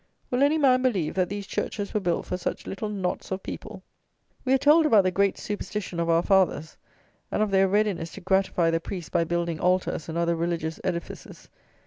will any man believe that these churches were built for such little knots of people? We are told about the great superstition of our fathers, and of their readiness to gratify the priests by building altars and other religious edifices.